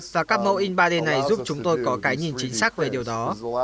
và các mẫu in ba d này giúp chúng tôi có cái nhìn chính xác về điều đó